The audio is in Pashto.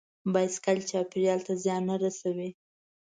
بایسکل چاپېریال ته زیان نه رسوي.